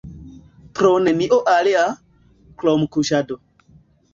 Pro nenio alia, krom kuŝado.